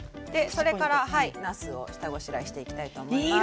それからなすを下ごしらえしていきたいと思います。